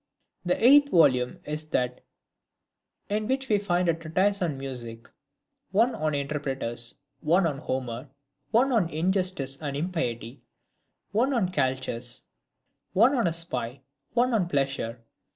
The eighth volume is that in which we find a treatise on Music ; one on Interpreters ; one on Homer ; one on Injustice and Impiety ; one on Calchas ; one on a Spy ; one on Pleasure.